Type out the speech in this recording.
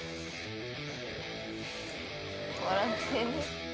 笑ってる。